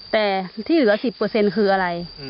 แต่ที่เหลือ๑๐คืออะไร